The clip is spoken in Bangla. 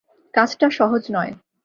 কাজটা সহজ নয়।